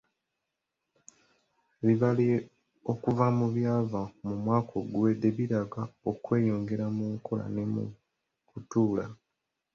Ebibalo okuva mu byava mu mwaka oguwedde biraga okweyongera mu nkola ne mu kutuula.